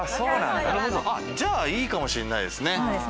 じゃあいいかもしんないですね。